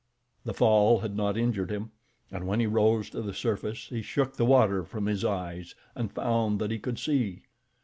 The fall had not injured him, and when he rose to the surface, he shook the water from his eyes, and found that he could see.